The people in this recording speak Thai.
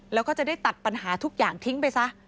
แล้วก็จะได้ตัดปัญหาทุกอย่างทิ้งไปซะ